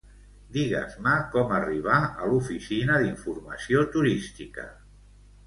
Digues-me com arribar a l'oficina d'informació turística.